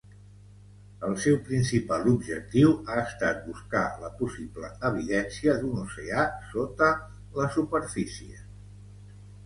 El seu principal objectiu ha estat buscar la possible evidència d'un oceà sota la superfície.